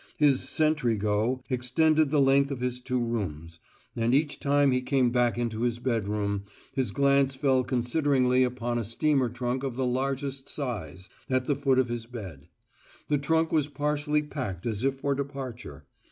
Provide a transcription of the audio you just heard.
His sentry go extended the length of his two rooms, and each time he came back into his bedroom his glance fell consideringly upon a steamer trunk of the largest size, at the foot of his bed. The trunk was partially packed as if for departure.